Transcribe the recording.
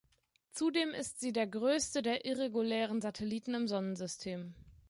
Zudem ist sie der Größte der irregulären Satelliten im Sonnensystem.